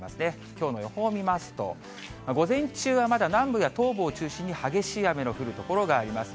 きょうの予報を見ますと、午前中はまだ南部や東部を中心に激しい雨の降る所があります。